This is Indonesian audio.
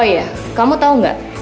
oh iya kamu tau gak